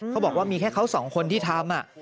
เขาบอกว่ามีแค่เขาสองคนที่ทำ